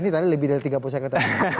ini tadi lebih dari tiga puluh second